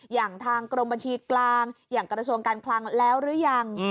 อย่างทางกรมบัญชีกลางอย่างกระทรวงการคลังแล้วหรือยัง